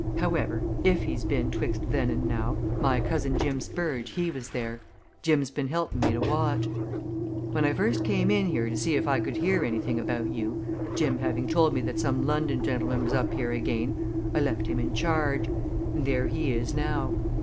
However, if he's been 'twixt then and now, my cousin Jim Spurge, he was there. Jim's been helping me to watch. When I first came in here to see if I could hear anything about you Jim having told me that some London gentlemen was up here again I left him in charge. And there he is now.